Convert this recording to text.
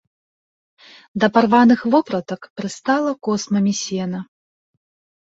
Да парваных вопратак прыстала космамі сена.